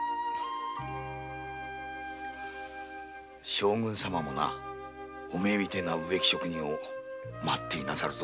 将軍様もなお前のような植木職人を待っていなさるぞ。